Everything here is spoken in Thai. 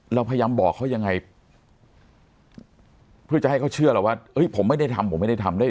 เราพยายามบอกเขายังไงเพื่อจะให้เขาเชื่อเราว่าเอ้ยผมไม่ได้ทำผมไม่ได้ทำด้วย